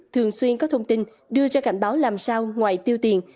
thường xuyên có thông tin đưa ra cảnh báo làm sao ngoài tiêu tiền